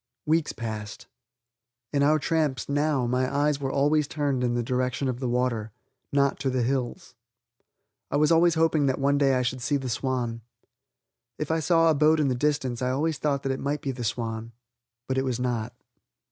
Weeks passed. On our tramps, now, my eyes were always turned in the direction of the water, not to the hills. I was always hoping that one day I should see the Swan. If I saw a boat in the distance I always thought that it might be the Swan. But it was not.